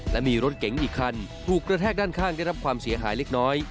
และมีรถเก๋งอีกคันถูกกระแทกด้านข้างได้รับความเสียหายเล็กน้อย